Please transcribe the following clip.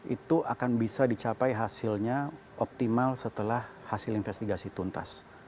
itu akan bisa dicapai hasilnya optimal setelah hasil investigasi tuntas